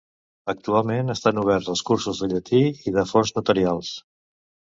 Actualment estan oberts els cursos de llatí i de fons notarials.